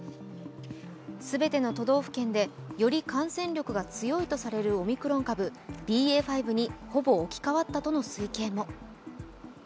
全ての都道府県でより感染力が強いとされるオミクロン株ＢＡ．５にほぼ置き換わったとの推計も。